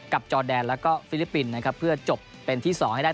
จอแดนแล้วก็ฟิลิปปินส์นะครับเพื่อจบเป็นที่๒ให้ได้